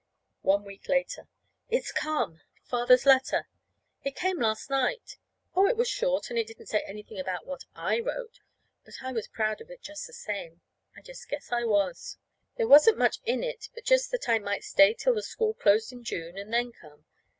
One week later. It's come Father's letter. It came last night. Oh, it was short, and it didn't say anything about what I wrote. But I was proud of it, just the same. I just guess I was! There wasn't much in it but just that I might stay till the school closed in June, and then come.